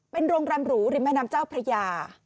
เป็นโรงแรมหรูริมแม่น้ำเจ้าพระยา